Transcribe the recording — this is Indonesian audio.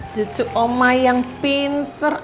cucu oma yang pinter